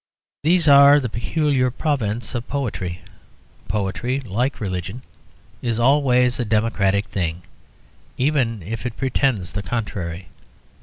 These are the peculiar province of poetry; poetry, like religion, is always a democratic thing, even if it pretends the contrary.